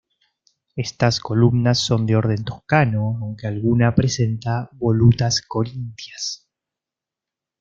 Estas columnas son de orden toscano, aunque alguna presenta volutas corintias.